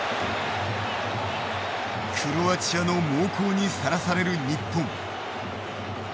クロアチアの猛攻にさらされる日本。